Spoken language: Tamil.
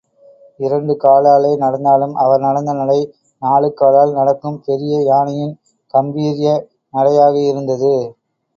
இரண்டு காலாலே நடந்தாலும், அவர் நடந்த நடை நாலுகாலால் நடக்கும் பெரிய யானையின் காம்பீர்ய நடையாகயிருந்தது.